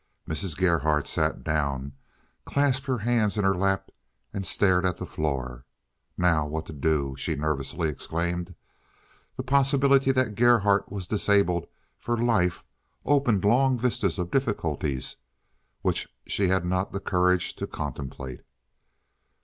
Mrs. Gerhardt sat down, clasped her hands in her lap, and stared at the floor. "Now, what to do?" she nervously exclaimed. The possibility that Gerhardt was disabled for life opened long vistas of difficulties which she had not the courage to contemplate.